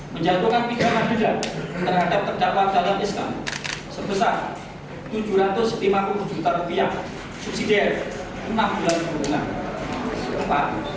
tiga menjatuhkan pidana dugaan terhadap terdakwa dalan iskan sebesar rp tujuh ratus lima puluh juta subsidi rp enam